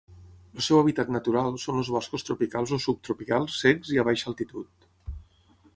El seu hàbitat natural són els boscos tropicals o subtropicals secs i a baixa altitud.